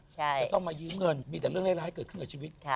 จะต้องมายืมเงินมีแต่เรื่องร้ายเกิดขึ้นกับชีวิต